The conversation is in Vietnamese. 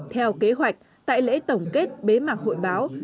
theo kế hoạch tại lễ tổng kết bế mạc hội báo